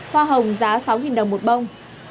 hoa hồng giá sáu đồng một bông